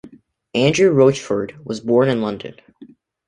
Andrew Roachford was born in London.